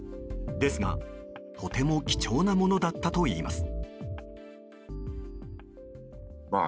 ですが、とても貴重なものだったといいます。